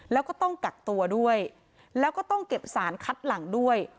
แล้วก็ต้องกักตัวด้วยแล้วก็ต้องเก็บสารคัดหลังด้วย